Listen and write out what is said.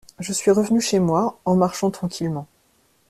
Je suis revenu chez moi en marchant tranquillement.